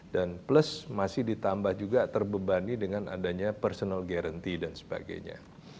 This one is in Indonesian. dan plus masih ditambah juga terbebani dengan adanya personal guarantee dan sebagainya